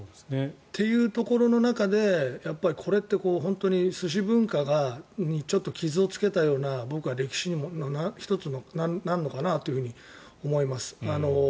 というところの中でこれって本当に寿司文化にちょっと傷をつけたような歴史の１つになるのかなと思います。